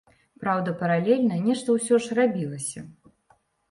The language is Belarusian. Праўда, паралельна нешта ўсё ж рабілася.